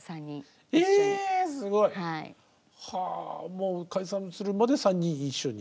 えすごい！はあもう解散するまで３人一緒に。